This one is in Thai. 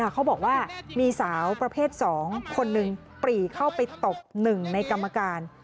เขาบอกว่ามีสาวประเภท๒คนหนึ่งปรีเข้าไปตบ๑ในกรรมการ